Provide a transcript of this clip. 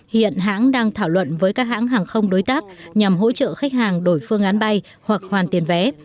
hiện hãng đang thảo luận với các hãng hàng không đối tác nhằm hỗ trợ khách hàng đổi phương án bay hoặc hoàn tiền vé